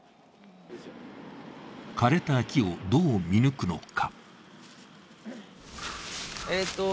枯れた木をどう見抜くのか。